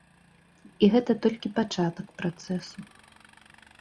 І гэта толькі пачатак працэсу.